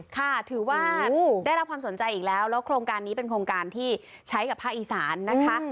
ค่ะถือว่าได้รับความสนใจอีกแล้วแล้วโครงการนี้เป็นโครงการที่ใช้กับภาคอีสานนะคะ